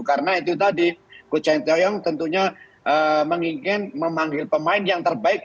karena coach sintayong tentunya ingin memanggil pemain yang terbaik